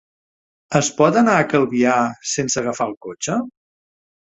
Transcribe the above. Es pot anar a Calvià sense agafar el cotxe?